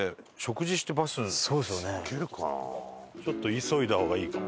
ちょっと急いだ方がいいかも。